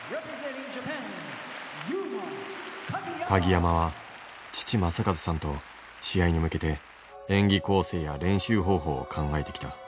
鍵山は父正和さんと試合に向けて演技構成や練習方法を考えてきた。